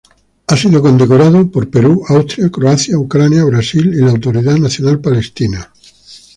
Ha sido condecorado por Perú, Austria, Croacia, Ucrania, Brasil y la Autoridad Nacional Palestina.